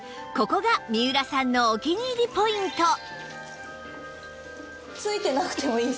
ここが三浦さんのお気に入りポイント